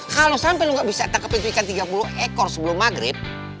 kalo sampe lo gak bisa tangkepin tu ikan tiga puluh ekor sebelum maghrib